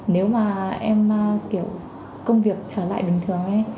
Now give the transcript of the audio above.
nếu mà em kiểu công việc trở lại bình thường ấy